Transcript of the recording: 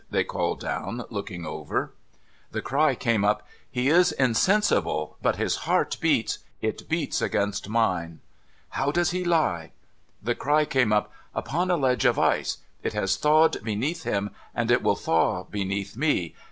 ' they called down, looking over. 556 NO THOROUGHFARE Tlie cry came up :' He is insensible ; but his heart beats. It beats against mine.' ' How does he lie ?' The cry came up :' Upon a ledge of ice. It has thawed beneath him, and it will thaw beneath me.